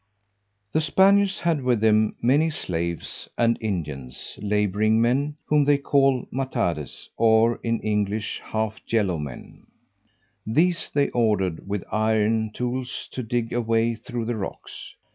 The Spaniards had with them many slaves and Indians, labouring men, whom they call matades, or, in English, half yellow men; these they ordered with iron tools to dig a way through the rocks.